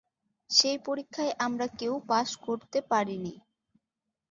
সেই পরীক্ষায় আমরা কেউ পাস করতে পারি নি।